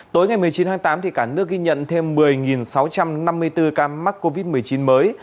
tối ngày một mươi chín tháng tám cả nước ghi nhận thêm một mươi sáu trăm năm mươi bốn ca mắc covid một mươi chín mới